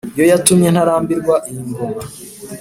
yo yatumye ntarambirwa iyi ngoma.